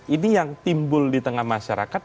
ini yang timbul di tengah masyarakat